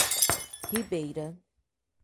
Ribeira